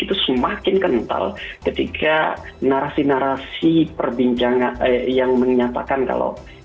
itu semakin kental ketika narasi narasi perbincangan yang menyatakan kalau